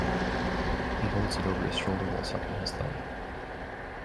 He holds it over his shoulder while sucking his thumb.